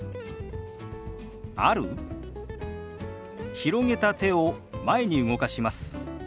広げた手を前に動かします。